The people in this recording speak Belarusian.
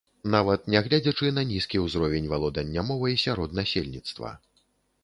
Нават нягледзячы на нізкі ўзровень валодання мовай сярод насельніцтва.